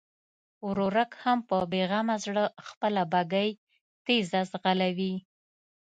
ورورک هم په بېغمه زړه خپله بګۍ تېزه ځغلوي.